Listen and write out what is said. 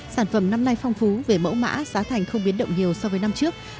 sản phẩm năm nay phong phú về mẫu mã giá thành không biến động nhiều so với năm trước